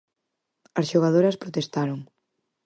As xogadoras protestaron.